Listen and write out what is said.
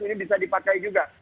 ini bisa dipakai juga